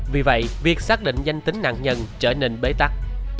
vì vậy việc xác định danh tính nạn nhân trở nên bế tắc